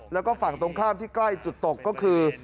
แล้วก็ฝั่งตรงข้ามที่ใกล้จุดตกก็คือ